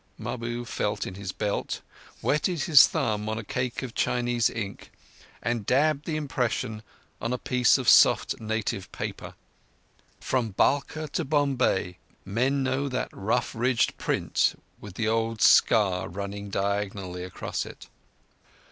Mahbub felt in his belt, wetted his thumb on a cake of Chinese ink, and dabbed the impression on a piece of soft native paper. From Balkh to Bombay men know that rough ridged print with the old scar running diagonally across it.